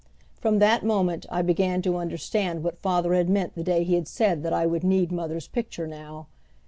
From that moment I began to understand what father had meant the day he had said that I would need mother's picture now.